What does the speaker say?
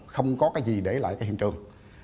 không có cái gì để lại cái hiện trường